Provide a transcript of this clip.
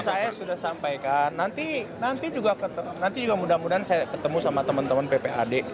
saya sudah sampaikan nanti juga nanti juga mudah mudahan saya ketemu sama teman teman ppad